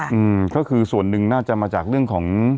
อืมก็คือส่วนหนึ่งน่าจะมาจากเรื่องของ